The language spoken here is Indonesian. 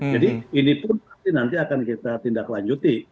jadi ini pun nanti akan kita tindaklanjuti